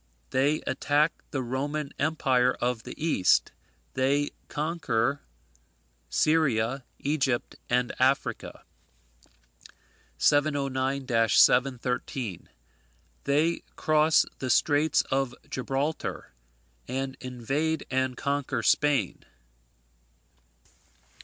They attack the Roman Empire of the East. They conquer Syria, Egypt, and Africa. 709 713. They cross the straits of Gibraltar, and invade and conquer Spain.